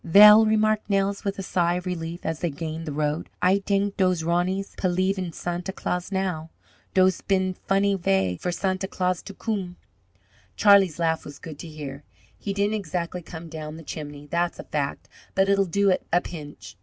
"Vell," remarked Nels, with a sigh of relief as they gained the road, "Ay tank dose Roneys pelieve en Santa Claus now. Dose peen funny vay fer Santa Claus to coom." Charlie's laugh was good to hear. "He didn't exactly come down the chimney, that's a fact, but it'll do at a pinch.